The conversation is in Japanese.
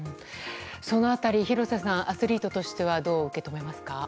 その辺り、廣瀬さんアスリートとしてはどう受け止めますか？